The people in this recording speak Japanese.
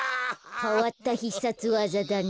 かわったひっさつわざだね。